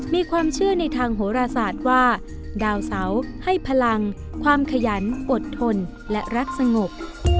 มีความเชื่อในทางโหรศาสตร์ว่าดาวเสาให้พลังความขยันอดทนและรักสงบ